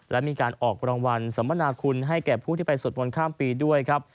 และมีการออกรางวัลสัมมนาคุณให้แก่ผู้ที่ไปสวดมนต์ข้ามปีด้วยครับ